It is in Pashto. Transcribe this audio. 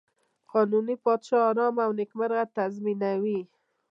د قانوني پاچا آرامي او نېکمرغي تضمینوي.